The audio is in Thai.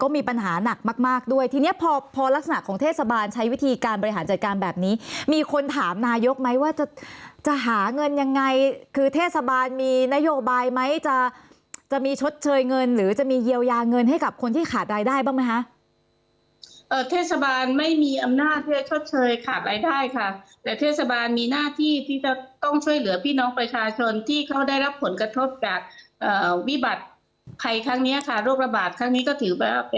มีปัญหานักมากมากด้วยทีเนี้ยพอพอลักษณะของเทศบาลใช้วิธีการบริหารจัดการแบบนี้มีคนถามนายกไหมว่าจะจะหาเงินยังไงคือเทศบาลมีนโยบายไหมจะจะมีชดเชยเงินหรือจะมีเยียวยาเงินให้กับคนที่ขาดรายได้บ้างมั้ยฮะเอ่อเทศบาลไม่มีอำนาจให้ชดเชยขาดรายได้ค่ะแต่เทศบาลมีหน้าที่ที่จะ